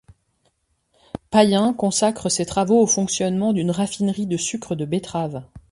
Payen consacre ses travaux au fonctionnement d'une raffinerie de sucre de betteraves.